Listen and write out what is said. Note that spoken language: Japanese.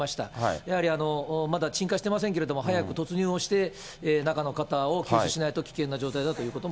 やはりまだ鎮火してませんけれども、早く突入をして中の方を救助しないと危険な状態だということも。